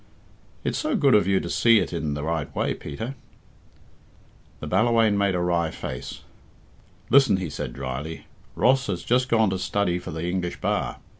"It's so good of you to see it in the right way, Peter." The Ballawhaine made a wry face. "Listen," he said dryly. "Ross has just gone to study for the English bar."